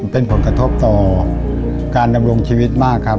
เป็นผลกระทบต่อการดำรงชีวิตมากครับ